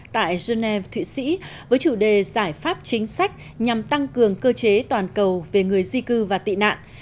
tại geneva thụy sĩ với chủ đề giải pháp chính sách nhằm tăng cường cơ chế toàn cầu về người di cư và tị nạn